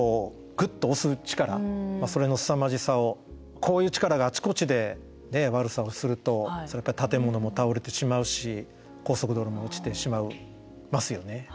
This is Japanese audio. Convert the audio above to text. こういう力があちこちで悪さをするとそれは建物も倒れてしまうし高速道路も落ちてしまいますよね。